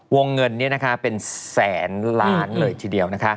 วงเงินเป็นแสนล้านเลยทีเดียว